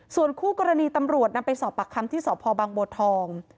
ส่วนคู่กรณีตำรวจนำไปสอบปากคำที่สพบังบัวทอง